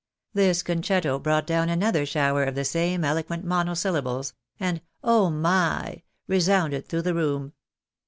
This concetto brought down another shower of the same eloquent monosyllables, and " Oh my !" resounded through the room.